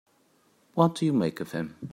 What do you make of him?